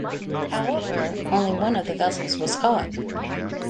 However, only one of the vessels was caught.